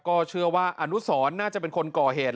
ก็เชื่อว่าอนุสรน่าจะเป็นคนก่อเหตุ